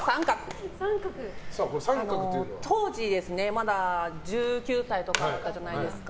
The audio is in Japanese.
当時、まだ１９歳とかだったじゃないですか。